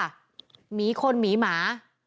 มีคนหมีหมา